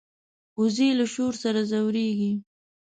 وزې له شور سره ځورېږي